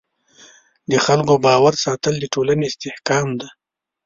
د خلکو باور ساتل د ټولنې استحکام دی.